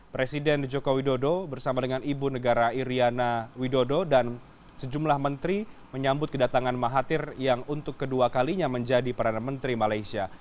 presiden joko widodo bersama dengan ibu negara iryana widodo dan sejumlah menteri menyambut kedatangan mahathir yang untuk kedua kalinya menjadi perdana menteri malaysia